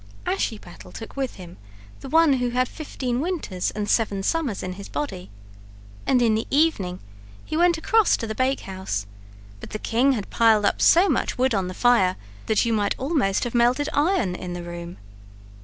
Ashiepattle took with him the one who had fifteen winters and seven summers in his body, and in the evening he went across to the bakehouse: but the king had piled up so much wood on the fire that you might almost have melted iron in the room.